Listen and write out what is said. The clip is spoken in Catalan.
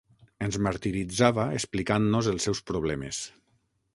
Ens martiritzava explicant-nos els seus problemes.